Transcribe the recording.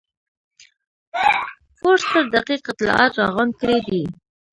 فورسټر دقیق اطلاعات راغونډ کړي دي.